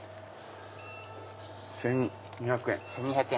１２００円。